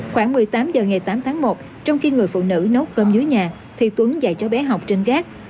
khoảng một mươi tám h ngày tám tháng một trong khi người phụ nữ nốt cơm dưới nhà thì tuấn dạy cho bé học trên gác